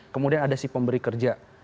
kemudian ada si pemberi kerja